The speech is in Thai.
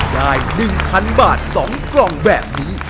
ได้๑๐๐๐บาท๒กล่องแบบนี้